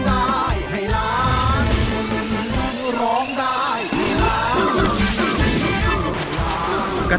ร้องได้ให้ร้าง